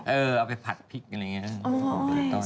เอาไปผัดพริกอะไรอย่างนี้นะ